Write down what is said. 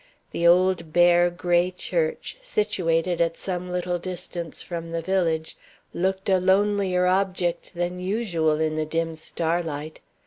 The old bare, gray church, situated at some little distance from the village, looked a lonelier object than usual in the dim starlight.